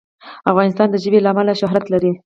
افغانستان د ژبې له امله شهرت لري.